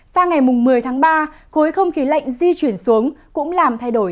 sa ngày mùng một mươi tháng ba khối không khí lạnh di chuyển xuống cũng làm thay đổi